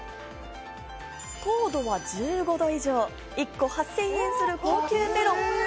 糖度は１５度以上で１個８０００円する高級メロン。